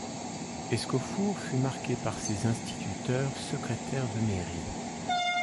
Escaufourt fut marqué par ses instituteurs, secrétaires de mairie.